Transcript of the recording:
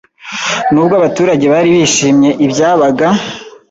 nubwo abaturage bari bishimiye ibyabaga